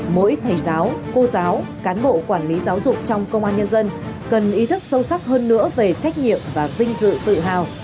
mỗi thầy giáo cô giáo cán bộ quản lý giáo dục trong công an nhân dân cần ý thức sâu sắc hơn nữa về trách nhiệm và vinh dự tự hào